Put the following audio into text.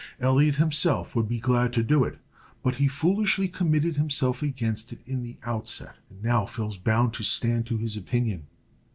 Elliot himself would be glad to do it, but he foolishly committed himself against it in the outset, and now feels bound to stand to his opinion.